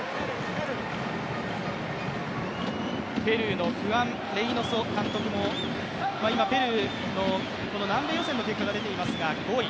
ペルーのフアン・レイノソ監督も、ペルーの南米予選の結果が出ていますが５位。